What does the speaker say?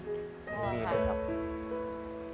ไม่มีครับ